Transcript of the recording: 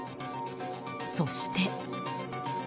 そして。